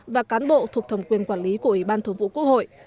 và cán bộ thuộc thẩm quyền quản lý của ủy ban thường vụ quốc hội